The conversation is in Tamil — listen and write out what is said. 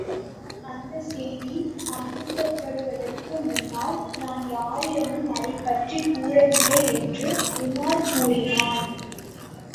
ஆனால் அந்தச் செய்தி அனுப்பப்படுவதற்கு முன்னால், நான் யாரிடமும் அதைப்பற்றிக் கூறவில்லை என்று உமார் கூறினான்.